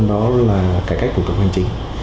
đó là cải cách của các hoàn chính